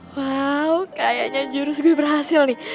wow kayaknya jurus lebih berhasil nih